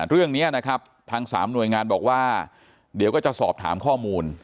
เรื่องนี้นะครับทางสามหน่วยงานบอกว่าเดี๋ยวก็จะสอบถามข้อมูล